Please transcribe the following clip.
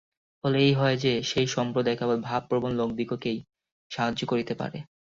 ফলে এই হয় যে, সেই সম্প্রদায় কেবল ভাবপ্রবণ লোকদিগকেই সাহায্য করিতে পারে।